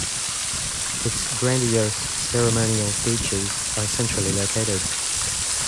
Its grandiose, ceremonial features are centrally located.